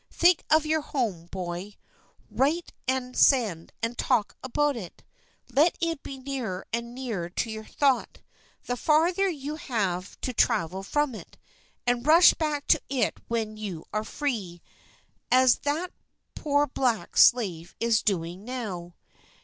Think of your home, boy; write, and send, and talk about it. Let it be nearer and nearer to your thought, the farther you have to travel from it; and rush back to it when you are free, as that poor black slave is doing now.